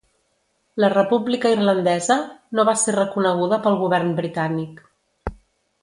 La República Irlandesa no va ser reconeguda pel Govern Britànic.